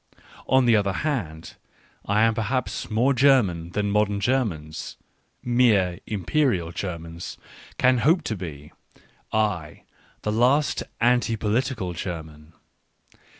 On the other hand, I am perhaps more German than modern Germans — mere Imperial Germans — can hope to be, — I, the last anti political German.